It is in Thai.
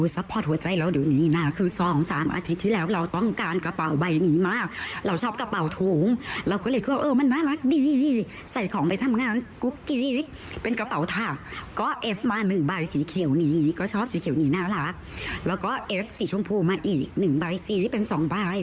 สีเขียวนี้น่ารักแล้วก็เอ็กซ์สีชมพูมาอีกหนึ่งใบสีเป็นสองใบ